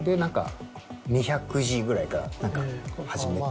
２００字ぐらいから始めて。